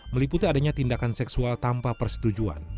meliputi adanya tindakan seksual tanpa persetujuan